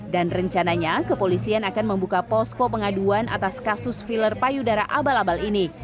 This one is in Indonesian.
dan rencananya kepolisian akan membuka posko pengaduan atas kasus filler payudara abal abal ini